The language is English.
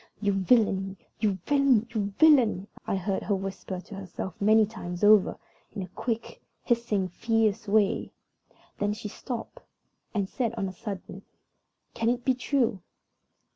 "You villain! you villain! you villain!" I heard her whisper to herself many times over, in a quick, hissing, fierce way. Then she stopped, and said on a sudden, "Can it be true?"